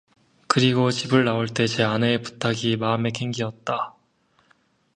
그리고 집을 나올 제 아내의 부탁이 마음이 켕기었다